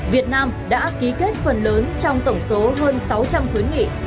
việt nam đã ký kết phần lớn trong tổng số hơn sáu trăm linh khuyến nghị